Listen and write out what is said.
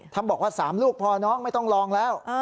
บอกว่า๓ลูกพอน้องไม่ต้องลองแล้ว